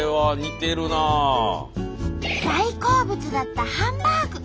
大好物だったハンバーグ。